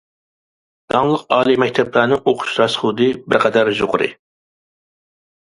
داڭلىق ئالىي مەكتەپلەرنىڭ ئوقۇش راسخوتى بىر قەدەر يۇقىرى.